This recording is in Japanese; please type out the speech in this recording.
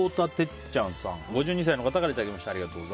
５２歳の方からいただきました。